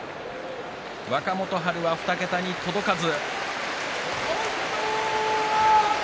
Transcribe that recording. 若元春は２桁に届かず。